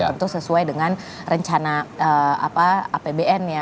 tentu sesuai dengan rencana apbn ya